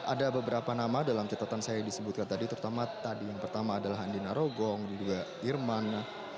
ada beberapa nama dalam catatan saya yang disebutkan tadi terutama tadi yang pertama adalah andina rogong dan juga irman